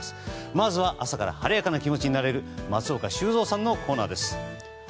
まずは、朝から晴れやかな気持ちになれる松岡修造さんのコーナーです。